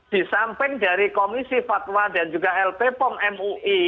disamping dari komisi fatwa dan juga lp pom mui